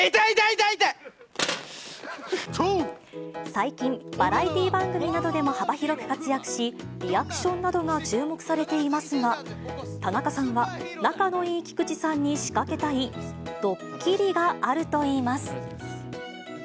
最近、バラエティー番組などでも幅広く活躍し、リアクションなどが注目されていますが、田中さんは仲のいい菊池さんに仕掛けたいドッキリがあるといいます。